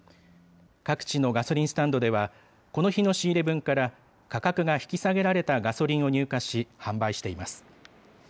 各地のガソリンスタンドでは、この日の仕入れ分から、価格が引き下げられたガソリンを入荷し、販売しています。